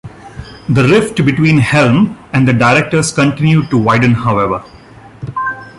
The rift between Helm and the directors continued to widen, however.